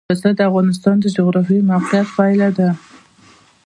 پسه د افغانستان د جغرافیایي موقیعت پایله ده.